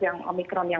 yang kena covid sekarang